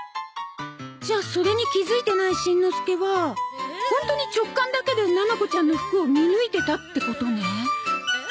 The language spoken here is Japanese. じゃあそれに気づいてないしんのすけはホントに直感だけでななこちゃんの服を見抜いてたってことね。